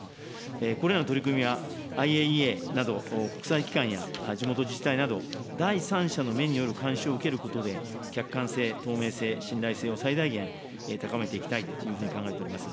これらの取り組みは、ＩＡＥＡなど、国際機関や地元自治体など、第三者の目による監視を受けることで、客観性、透明性、信頼性を最大限、高めていきたいというふうに考えております。